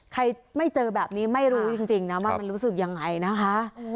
ไม่เจอแบบนี้ไม่รู้จริงนะว่ามันรู้สึกยังไงนะคะ